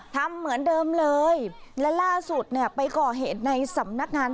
ทำเหมือนเดิมเลยและล่าสุดเนี่ยไปก่อเหตุในสำนักงาน